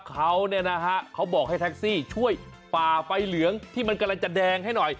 เขาเนี่ยนะฮะเขาบอกให้แท็กซี่ช่วยฝ่าไฟเหลืองที่มันกำลังจะแดงให้หน่อย